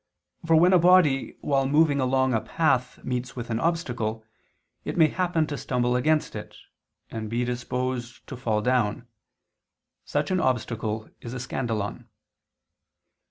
For when a body, while moving along a path, meets with an obstacle, it may happen to stumble against it, and be disposed to fall down: such an obstacle is a skandalon.